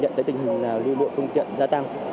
nhận thấy tình hình là lưu lượng phương tiện gia tăng